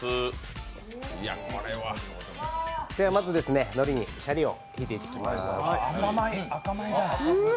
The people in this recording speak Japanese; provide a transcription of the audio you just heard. まずはシャリを入れていきます。